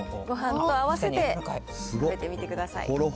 ごはんと合わせて食べてみてください。